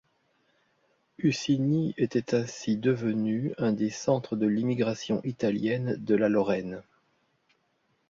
Hussigny était ainsi devenu un des centres de l'immigration italienne de la Lorraine.